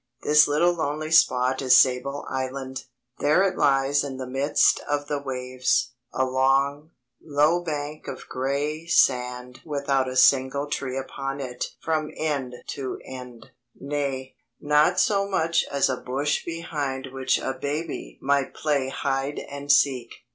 This little lonely spot is Sable Island, There it lies in the midst of the waves, a long, low bank of gray sand without a single tree upon it from end to end; nay, not so much as a bush behind which a baby might play hide and seek.